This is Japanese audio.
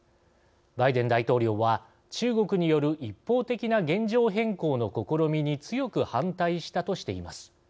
バイデン大統領は中国による一方的な現状変更の試みに強く反対したとしています。